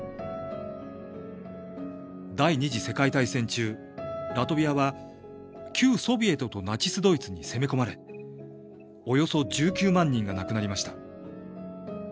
第二次世界大戦中ラトビアは旧ソビエトとナチス・ドイツに攻め込まれおよそ１９万人が亡くなりました。